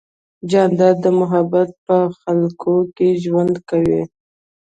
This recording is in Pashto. جانداد د محبت په خلقو کې ژوند کوي.